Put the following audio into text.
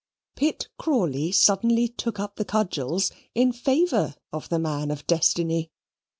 Pitt Crawley suddenly took up the cudgels in favour of the man of Destiny.